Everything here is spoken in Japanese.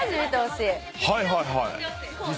「はいはいはい」